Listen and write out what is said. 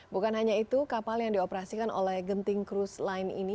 bukan hanya itu kapal yang dioperasikan oleh genting kruce line ini